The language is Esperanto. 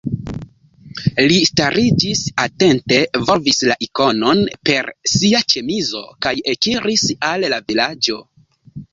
Li stariĝis, atente volvis la ikonon per sia ĉemizo kaj ekiris al la vilaĝo.